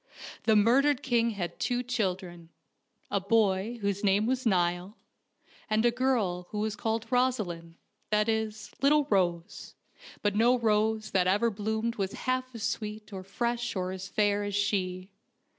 The murdered king had two children a boy, whose name was Xiall, and 114 FAIRY TALES a girl, who was called Rosaleen that is, little Rose ; but no rose that ever bloomed was half as sweet or fresh or fair as she.